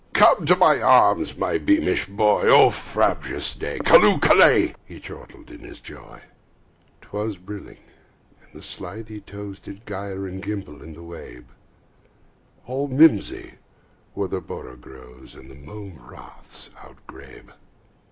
Come to my arms, my beamish boy! O frabjous day! Callooh! Callay!" He chortled in his joy. 'Twas brillig, and the slithy toves Did gyre and gimble in the wabe: All mimsy were the borogoves, And the mome raths outgrabe.